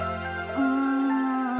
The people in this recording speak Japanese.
うん。